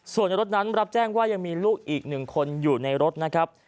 ส่วนในรถนั้นรับแจ้งว่ายังมีลูกอีก๑คนอยู่ในรถนะครับ